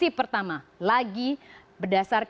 anda menggunakan data ini dari idc